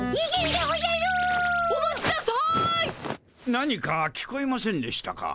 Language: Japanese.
何か聞こえませんでしたか？